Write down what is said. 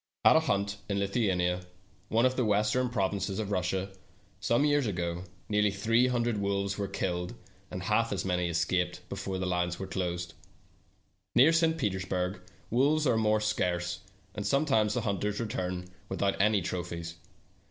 At a hunt in Lithuania, one of the western provinces of Russia, some years ago, nearly three hundred wolves were killed, and half as many escaped before the lines were closed. Near St. Petersburg wolves are more scarce, and sometimes the hunt ers return without any trophies.